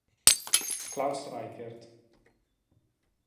Klaus Reichert